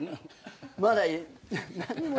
まだ何にも。